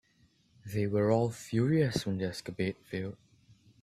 They were all furious when the escapade failed.